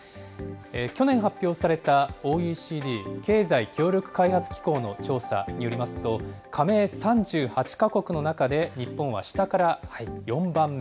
去年発表されたＯＥＣＤ・経済協力開発機構の調査によりますと、加盟３８か国の中で日本は下から４番目。